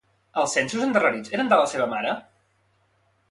Els censos endarrerits eren de la seva mare?